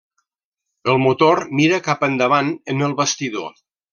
El motor mira cap endavant en el bastidor.